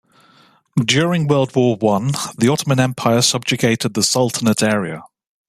During World War One, the Ottoman Empire subjugated the Sultanate area.